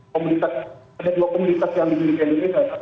komunitas ada dua komunitas yang di dunia ini